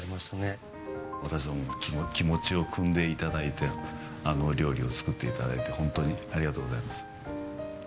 私どもの気持ちをくんで頂いて料理を作って頂いて本当にありがとうございます。